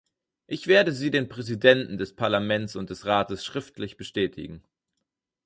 Ich werde sie den Präsidenten des Parlaments und des Rates schriftlich bestätigen.